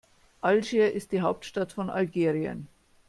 Algier ist die Hauptstadt von Algerien.